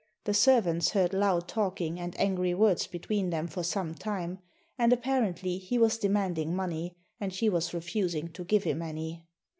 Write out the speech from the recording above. The servants heard loud talking and angry words between them for some time, and apparently he was demanding money and she was refusing to give him any.